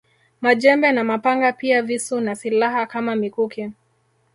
Majembe na mapanga pia visu na silaha kama mikuki